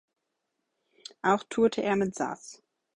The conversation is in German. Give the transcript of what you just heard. Auch tourte er mit Zaz.